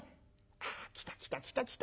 ああ来た来た来た来た。